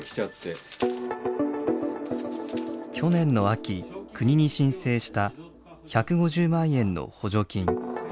去年の秋国に申請した１５０万円の補助金。